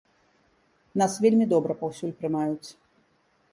Нас вельмі добра паўсюль прымаюць.